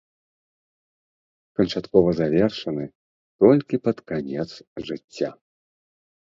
Канчаткова завершаны толькі пад канец жыцця.